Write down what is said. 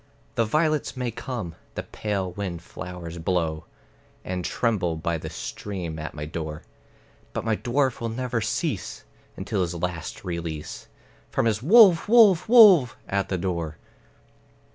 The violets may come, the pale wind flowers blow, And tremble by the stream at my door; But my dwarf will never cease, until his last release, From his "Wolf, wolf, wolf!" at the door.